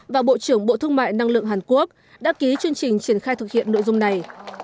và bộ trưởng bộ thương mại năng lượng hàn quốc đã ký chương trình triển khai thực hiện nội dung này